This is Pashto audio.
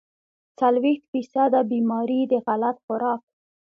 څلوېښت فيصده بيمارۍ د غلط خوراک